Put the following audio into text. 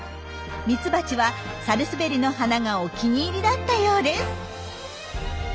ミツバチはサルスベリの花がお気に入りだったようです。